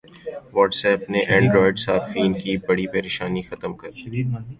what's app نے Android صارفین کی بڑی پریشانی ختم کردی